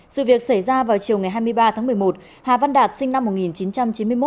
sự việc xảy ra vào chiều ngày hai mươi ba tháng một mươi một hà văn đạt sinh năm một nghìn chín trăm chín mươi một